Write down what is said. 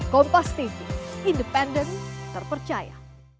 kompas tv independen terpercaya